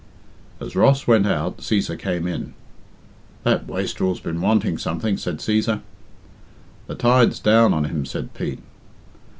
As Ross went out Cæsar came in. "That wastrel's been wanting something," said Cæsar. "The tide's down on him," said Pete.